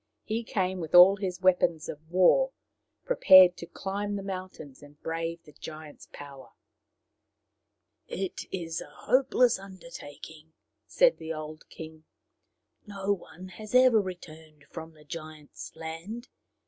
He came with all his weapons of war, prepared to climb the mountains and brave the giant's power. " It is a hopeless undertaking/' said the old king. " No one has ever returned from the giant's land.